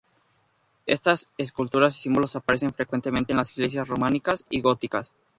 Estas esculturas y símbolos aparecen frecuentemente en las iglesias románicas y góticas.